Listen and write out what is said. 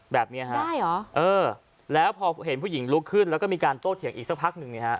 ได้หรอแล้วพอเห็นผู้หญิงลุกขึ้นแล้วก็มีการโต้เถียงอีกสักพักหนึ่ง